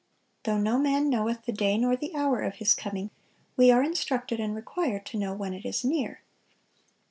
Though no man knoweth the day nor the hour of His coming, we are instructed and required to know when it is near.